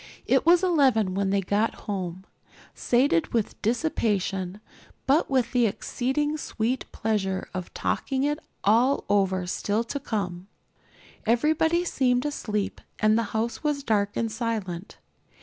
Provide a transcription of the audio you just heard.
It was eleven when they got home, sated with dissipation, but with the exceeding sweet pleasure of talking it all over still to come. Everybody seemed asleep and the house was dark and silent.